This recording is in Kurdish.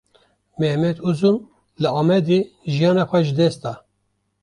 Mehmet Uzun, li Amedê jiyana xwe ji dest da